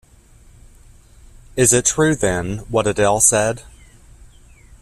Is it true, then, what Adele said?